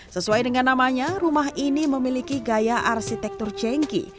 sesuai dengan namanya rumah ini memiliki gaya arsitektur jengki